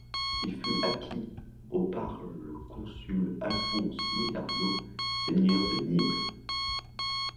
Il fut acquis au par le consul Alphonse Louis d’Arnaud, seigneur de Nibles.